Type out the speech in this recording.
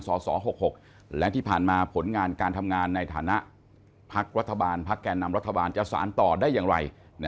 สส๖๖และที่ผ่านมาผลงานการทำงานในฐานะพักรัฐบาลพักแก่นำรัฐบาลจะสารต่อได้อย่างไร